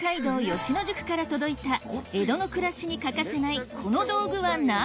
吉野宿から届いた江戸の暮らしに欠かせないこの道具は何？